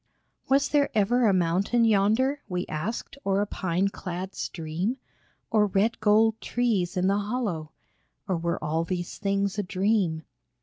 Was there ever a mountain yonder, We asked, or a pine clad stream ? Or red gold trees in the hollow ? Or were all these things a dream